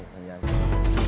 kepala pembangsa indonesia